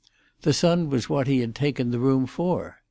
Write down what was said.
The sun was what he had taken the room for.